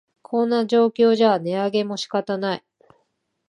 こんな状況じゃ値上げも仕方ない